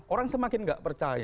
orang semakin nggak percaya